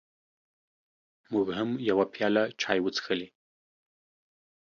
موږ هم یوه پیاله چای وڅښلې.